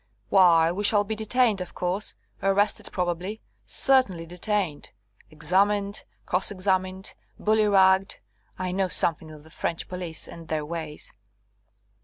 "Why, we shall be detained, of course; arrested, probably certainly detained. Examined, cross examined, bully ragged I know something of the French police and their ways."